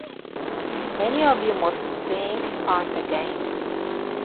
Many of you must think, 'Once again.